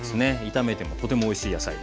炒めてもとてもおいしい野菜です。